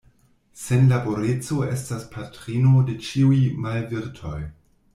Senlaboreco estas patrino de ĉiuj malvirtoj.